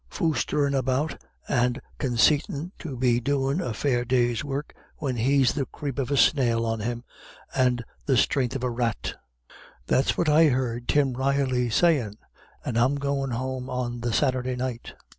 'Foostherin' about and consaitin' to be doin' a fair day's work, when he's the creep of a snail on him, and the stren'th of a rat.' That's what I heard Tim Reilly sayin' and I goin' home on the Saturday night.